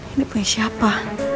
ini punya siapa